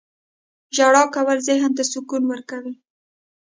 • ژړا کول ذهن ته سکون ورکوي.